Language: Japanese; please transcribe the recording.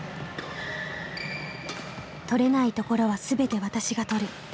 「とれないところは全て私がとる」。